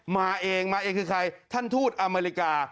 มาเองมาเองคือใครท่านทูตอเมริกา